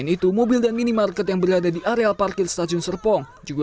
namun di sini tidak ada korban jiwa